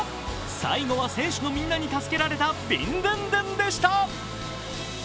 最後は選手のみんなに助けられたビンドゥンドゥンでした。